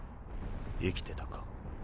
生きてたか。